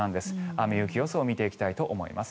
雨・雪予想を見てきたいと思います。